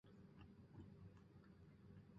富察善属镶黄旗满洲沙济富察氏第十世。